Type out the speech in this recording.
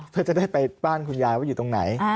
เพื่อจะได้ไปบ้านคุณยายว่าอยู่ตรงไหน